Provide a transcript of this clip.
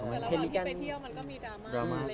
ก็เรื่องหลังที่ไปเที่ยวมันก็มีตัวโลค